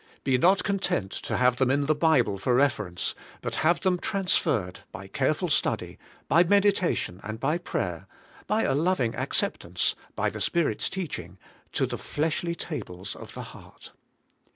Be not content to have them in the Bible for reference, but have them transferred by careful study, by meditation and by prayer, by a lov ing acceptance, by the Spirit's teaching, to the fleshy tables of the heart.